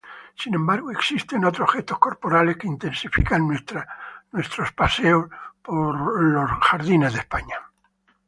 Sin embargo, existen otros gestos corporales que intensifican nuestra oración en la Misa.